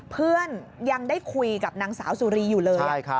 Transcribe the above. เพื่อนยังได้คุยกับนางสาวสุรีอยู่เลย